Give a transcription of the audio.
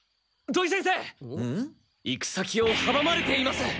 行き先をはばまれています！